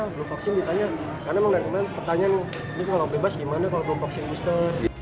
belum vaksin ditanya karena mengenai pertanyaan ini kalau bebas gimana kalau belum vaksin booster